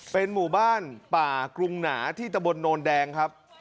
เป็นหมู่บ้านป่ากรุงหนาที่ตะบนโนนแดงครับ